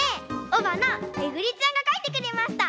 おばなめぐりちゃんがかいてくれました。